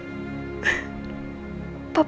mama pasti seneng liat kamu